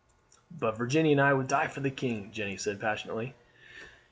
"But Virginie and I would die for the king!" Jeanne said passionately.